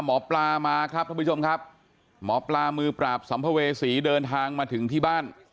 หมอปลามาครับท่านผู้ชมครับหมอปลามือปราบสัมภเวษีเดินทางมาถึงที่บ้าน